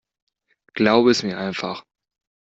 Glaube es mir einfach.